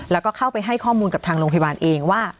แล้วก็เข้าไปให้ข้อมูลกับทางโรงพยาบาลเองว่า